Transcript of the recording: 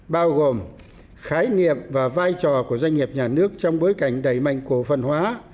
bao gồm khái niệm và vai trò của doanh nghiệp nhà nước trong bối cảnh đẩy mạnh cổ phần hóa